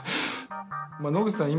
野口さん